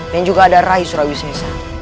yang juga ada rai surawi sesa